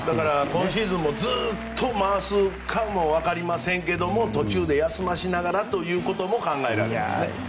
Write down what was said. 今シーズンもずっと回すかも分かりませんけど途中で休ませながらということも考えられますね。